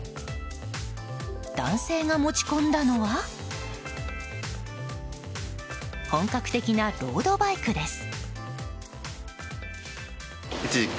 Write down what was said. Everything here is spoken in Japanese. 男性が持ち込んだのは本格的なロードバイクです。